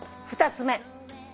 ２つ目。